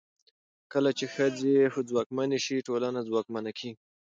کله چې ښځې ځواکمنې شي، ټولنه ځواکمنه کېږي.